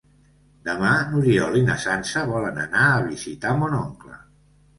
Demà n'Oriol i na Sança volen anar a visitar mon oncle.